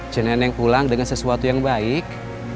ceneneng pulang dengan sesuatu yang baik